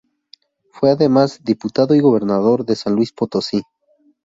Fue además, diputado y gobernador de San Luis Potosí.